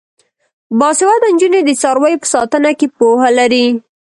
باسواده نجونې د څارویو په ساتنه کې پوهه لري.